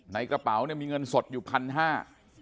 กระเป๋าเนี่ยมีเงินสดอยู่พันห้า